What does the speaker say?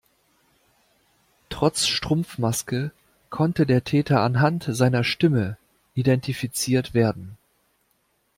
Trotz Strumpfmaske konnte der Täter anhand seiner Stimme identifiziert werden.